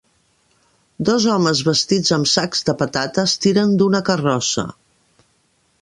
Dos homes vestits amb sacs de patates tiren d'una carrossa